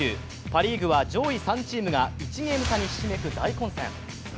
パ・リーグは上位３チームが１ゲーム差にひしめく大混戦。